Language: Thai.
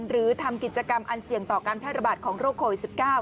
หรือทำกิจกรรมอันเสี่ยงต่อการแพร่ระบาดของโรคโควิด๑๙